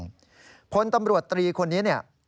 คนตำรวจตรีคนนี้